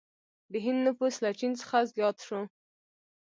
د هند نفوس له چین څخه زیات شو.